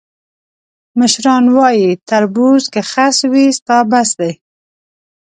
مشران وایي: تربور که خس وي، ستا بس دی.